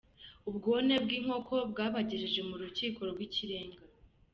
Ubwone bw’inkoko bwabagejeje mu Rukiko rw’Ikirenga